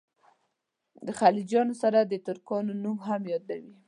د خلجیانو سره د ترکانو نوم هم یادوي.